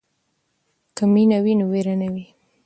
که مینه وي نو وېره نه وي.